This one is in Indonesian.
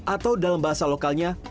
atau dalam bahasa lokalnya